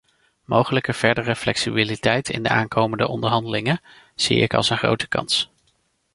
Mogelijke verdere flexibiliteit in de aankomende onderhandelingen zie ik als een grote kans.